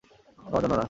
তোমার জন্য না।